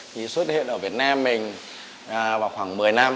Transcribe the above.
thì xuất hiện ở việt nam mình vào khoảng một mươi năm